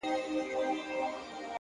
پرمختګ د دوامداره هڅې نتیجه ده!.